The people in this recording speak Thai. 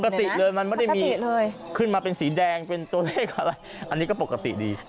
ปกติเลยมันไม่ได้มีเลยขึ้นมาเป็นสีแดงเป็นตัวเลขอะไรอันนี้ก็ปกติดี